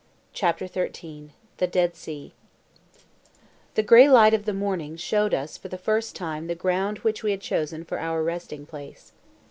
CHAPTER XIII—THE DEAD SEA The grey light of the morning showed us for the first time the ground which we had chosen for our resting place.